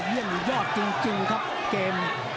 อย่างพิโยชน์จริงครับเกม